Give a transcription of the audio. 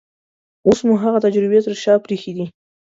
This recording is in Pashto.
اوس مو هغه تجربې تر شا پرېښې دي.